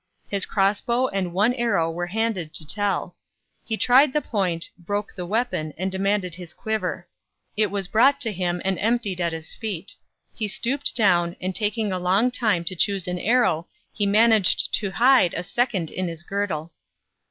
His cross bow and one arrow were handed to Tell; he tried the point, broke the weapon, and demanded his quiver. It was brought to him and emptied at his feet. He stooped down, and taking a long time to choose an arrow, he managed to hide a second in his girdle.